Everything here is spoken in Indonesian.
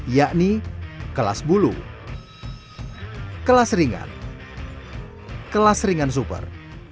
yakni kelas bulu kelas ringan kelas ringan super